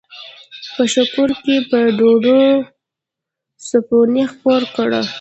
په شکور کښې په ډوډو څپُوڼے خپور کړه۔